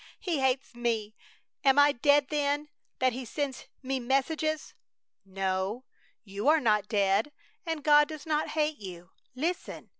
He hates me! Am I dead, then, that He sends me messages?" "No, you are not dead. And God does not hate you. Listen!